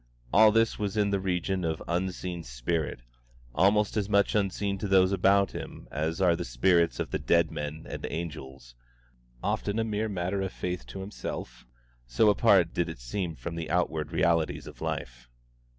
All this was in the region of unseen spirit, almost as much unseen to those about him as are the spirits of the dead men and angels, often a mere matter of faith to himself, so apart did it seem from the outward realities of life.